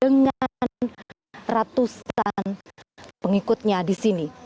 dengan ratusan pengikutnya di sini